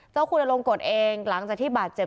เจ้าครูดารงกฎเองหลังจากที่บาดเจ็บ